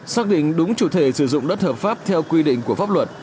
xác định đúng chủ thể sử dụng đất hợp pháp theo quy định của pháp luật